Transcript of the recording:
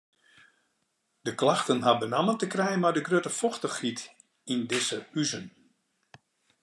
De klachten ha benammen te krijen mei de grutte fochtichheid yn dizze huzen.